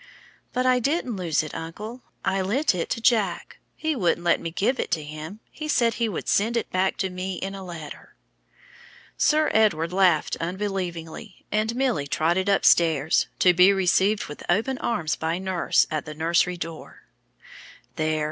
"But I didn't lose it, uncle. I lent it to Jack. He wouldn't let me give it to him; he said he would send it back to me in a letter." Sir Edward laughed unbelievingly, and Milly trotted upstairs to be received with open arms by nurse at the nursery door. "There!